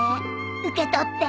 受け取って。